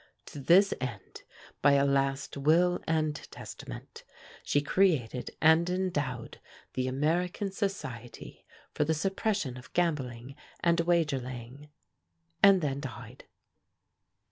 To this end, by a last will and testament she created and endowed the American Society for the Suppression of Gambling and Wager laying, and then died.